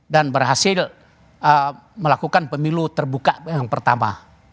dan berhasil melakukan pemilu terbuka yang pertama